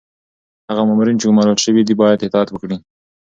هغه مامورین چي ګمارل شوي دي باید اطاعت وکړي.